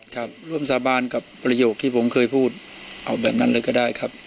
ครับร่วมสาบานกับประโยคที่ผมเคยพูดเอาแบบนั้นเลยก็ได้ครับ